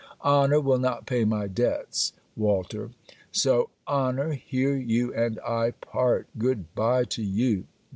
Honour will not pay my debts, Walter. So, honour, here you and I part. Good by to you!